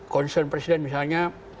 konsern presiden misalnya